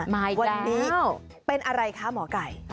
มาอีกแล้ววันนี้เป็นอะไรคะหมอไก่